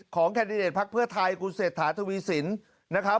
แคนดิเดตพักเพื่อไทยคุณเศรษฐาทวีสินนะครับ